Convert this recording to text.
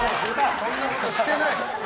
そんなことしてない。